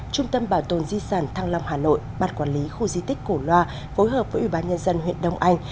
trung tâm bảo tồn di sản thăng long hà nội bát quản lý khu di tích cổ loa phối hợp với ủy ban nhân dân huyện đông anh